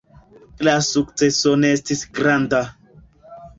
La sukceso ne estis granda.